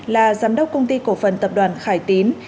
là giám đốc công ty cổ phần tập đoàn khải tín